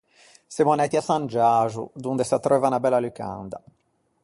Semmo anæti à San Giaxo donde s'attreuva unna bella lucanda.